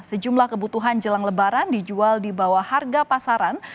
sejumlah kebutuhan jelang lebaran dijual di bawah harga pasaran